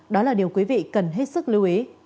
đó là điều quý vị cần hết sức lưu ý